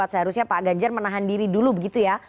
seharusnya pak ganjar menahan diri dulu begitu ya